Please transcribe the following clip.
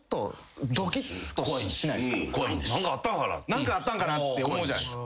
何かあったんかなって思うじゃないですか。